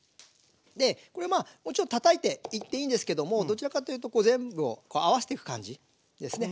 でこれはまあもちろんたたいていっていいんですけどもどちらかというと全部を合わせていく感じですね。